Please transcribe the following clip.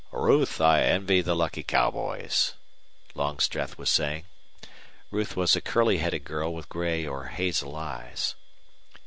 "Ruth, I envy the lucky cowboys," Longstreth was saying. Ruth was a curly headed girl with gray or hazel eyes.